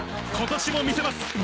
今年も魅せます